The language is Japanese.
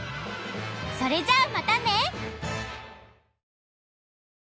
それじゃあまたね！